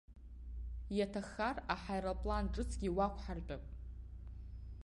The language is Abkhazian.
Иаҭаххар, аҳаирплан ҿыцгьы уақәҳартәап.